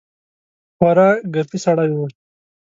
خورا ګپي سړی وو.